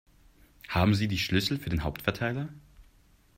Haben Sie die Schlüssel für den Hauptverteiler?